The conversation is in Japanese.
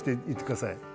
いってください。